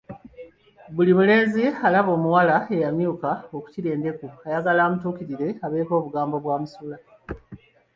Buli mulenzi alaba ku muwala eyamyuka okukira endeku ayagala amutuukirire abeeko obugambo bwamusuula.